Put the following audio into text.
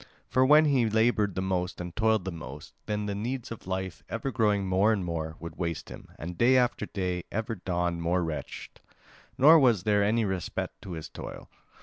For when he laboured the most and toiled the most, then the needs of life, ever growing more and more, would waste him, and day after day ever dawned more wretched, nor was there any respite to his toil.